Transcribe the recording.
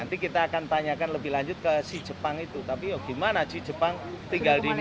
dia kapan datang ke indonesia warga negara jepang ini